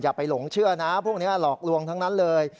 อย่าไปหลงเชื่อนะพวกนี้หลอกลวงทั้งนั้นเลย